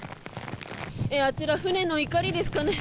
あちら、船のいかりですかね。